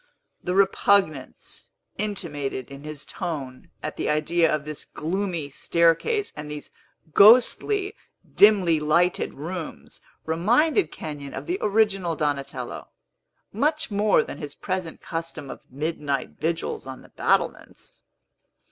The repugnance intimated in his tone at the idea of this gloomy staircase and these ghostly, dimly lighted rooms, reminded Kenyon of the original Donatello, much more than his present custom of midnight vigils on the battlements.